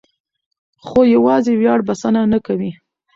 خو یوازې ویاړ بسنه نه کوي.